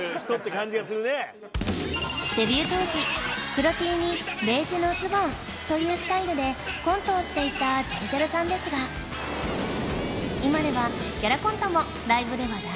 デビュー当時黒 Ｔ にベージュのズボンというスタイルでコントをしていたジャルジャルさんですが今ではキャラコントもライブでは大人気